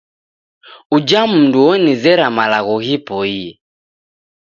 Uja mundu wonizera malagho ghipoie.